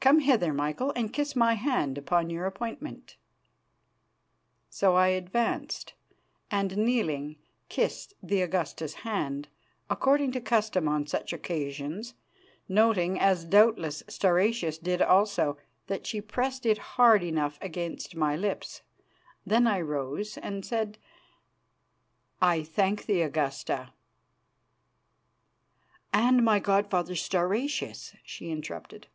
Come hither, Michael, and kiss my hand upon your appointment." So I advanced and, kneeling, kissed the Augusta's hand, according to custom on such occasions, noting, as doubtless Stauracius did also, that she pressed it hard enough against my lips. Then I rose and said: "I thank the Augusta " "And my god father Stauracius," she interrupted.